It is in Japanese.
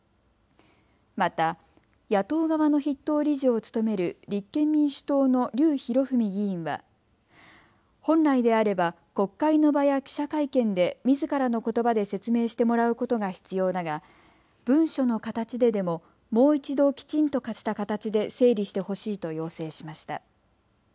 また、野党側の筆頭理事を務める立憲民主党の笠浩史議員は本来であれば国会の場や記者会見でみずからのことばで説明してもらうことが必要だが文書の形ででももう１度きちんとした形で整理してほしいと要請しました。